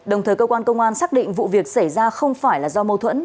đồng thời cơ quan công an xác định vụ việc xảy ra không phải là do mâu thuẫn